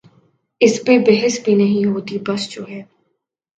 اس پہ بحث بھی نہیں ہوتی بس جو ہے۔